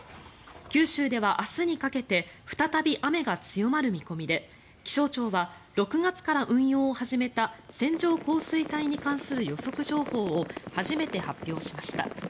九州では明日にかけて再び雨が強まる見込みで気象庁は６月から運用を始めた線状降水帯に関する予測情報を初めて発表しました。